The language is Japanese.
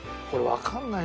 わかんない。